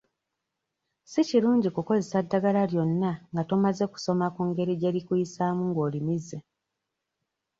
Si kirungi kukozesa ddagala lyonna nga tomaze kusoma ku ngeri gye likuyisaamu ng'olimize.